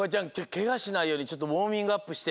けがしないようにちょっとウォーミングアップして。